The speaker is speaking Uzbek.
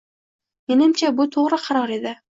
Menimcha bu to'g'ri qaror edi.